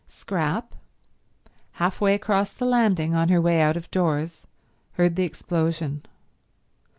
Scrap, half way across the landing on her way out of doors, heard the explosion.